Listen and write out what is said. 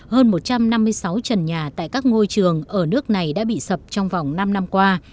hơn một trăm năm mươi sáu trần nhà tại các ngôi trường ở nước này đã bị sập trong vòng năm năm qua